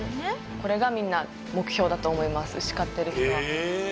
これがみんな目標だと思います牛飼ってる人は。